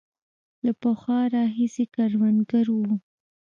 له پخوا راهیسې کروندګر وو.